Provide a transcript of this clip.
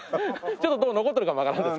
ちょっと銅残ってるかもわからないですけど。